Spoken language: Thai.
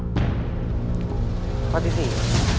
ตัวเลือกที่สี่